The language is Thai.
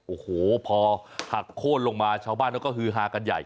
โอ้โหพอหักโค้นลงมาชาวบ้านเขาก็ฮือฮากันใหญ่